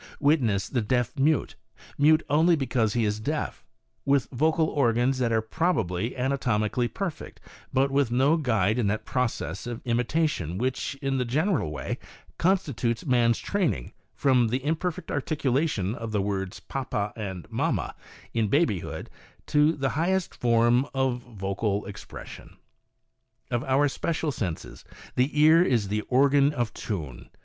Witness the deaf mute — mute only because he is deaf — with vocal organs that are probably anatomically perfect, but with no guide in that process of imitation which, in the general way, constitutes man's training, from the im perfect articulation of the words 'papa' and 'mamma,' in babyhood, to the highest form of vocal expression. Of our special senses, the ear is the organ of tune.